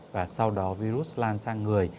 và sau đó virus lan sang người